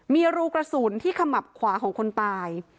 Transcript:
มีรูกระสุนที่ขมับขวาของคนตาย